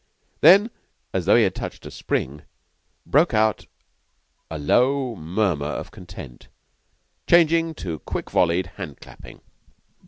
Then, as though he had touched a spring, broke out the low murmur of content, changing to quick volleyed hand clapping.